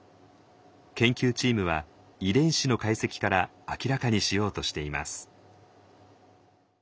研究チームは遺伝子の解析から明らかにしようとしています。